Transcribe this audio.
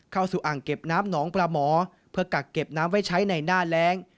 อ่างเก็บน้ำหนองปลาหมอเพื่อกักเก็บน้ำไว้ใช้ในหน้าแรง